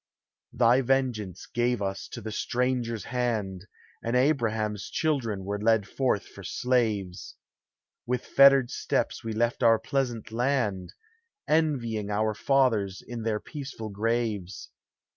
Thy vengeance gave us to the stranger's hand, And Abraham's children were led forth for slaves. With fettered steps we left our pleasant land, Envying our fathers in their peaceful graves.